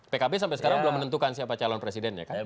pkb sampai sekarang belum menentukan siapa calon presiden ya kan